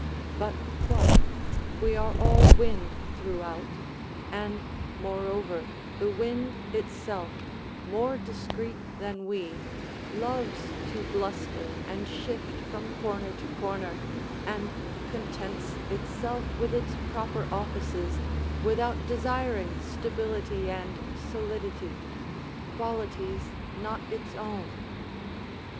But what? We are all wind throughout; and, moreover, the wind itself, more discreet than we, loves to bluster and shift from corner to corner, and contents itself with its proper offices without desiring stability and solidity qualities not its own.